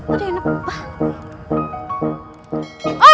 ada yang nempel